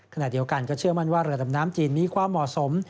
ขณะเดียวกันก็เชื่อมั่นว่าเรือดำน้ำจีนมีความเหมาะสม